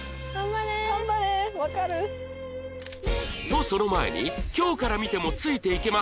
とその前に今日から見てもついていけます